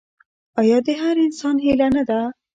آیا دا د هر انسان هیله نه ده؟